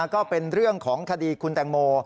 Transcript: ก็เป็นเรื่องของคดีคุณแตงโม